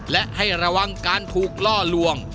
และให้ระวังการถูกล่อลวง